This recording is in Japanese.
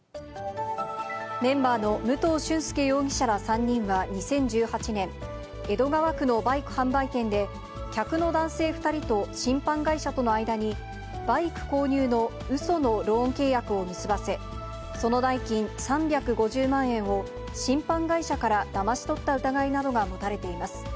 メンバーの武藤俊輔容疑者ら３人は２０１８年、江戸川区のバイク販売店で、客の男性２人と信販会社との間に、バイク購入のうそのローン契約を結ばせ、その代金３５０万円を、信販会社からだまし取った疑いなどが持たれています。